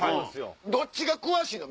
どっちが詳しいの？